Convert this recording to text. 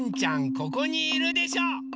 ここにいるでしょ！